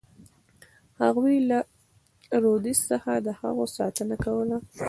هغوی له رودز څخه د هغو ساتنه کوله.